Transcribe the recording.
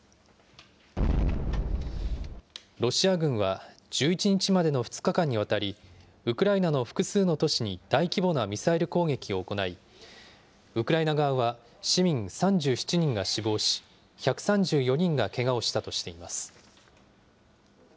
ロシア軍は１１日までの２日間にわたり、ウクライナの複数の都市に大規模なミサイル攻撃を行い、ウクライナ側は市民３７人が死亡し、１３４人がけがをしたとしています。